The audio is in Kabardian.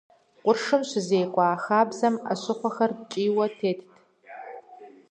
Къуршым щызекӏуэ а хабзэм ӏэщыхъуэхэр ткӏийуэ тетт.